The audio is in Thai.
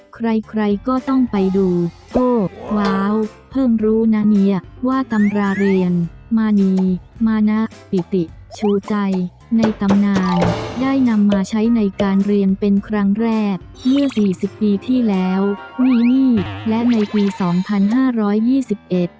ใครใครก็ต้องไปดูโอ้ว้าวเพิ่งรู้นะเนี่ยว่าตำราเรียนมานีมานะปิติชูใจในตำนานได้นำมาใช้ในการเรียนเป็นครั้งแรกเมื่อสี่สิบปีที่แล้วนี่และในปีสองพันห้าร้อยยี่สิบเอ็ด